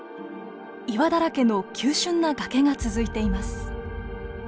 岩だらけの急しゅんな崖が続いています。